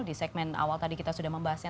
di segmen awal tadi kita sudah membahasnya